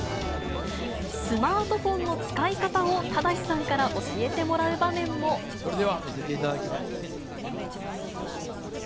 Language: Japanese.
スマートフォンの使い方を、それでは見せていただきます。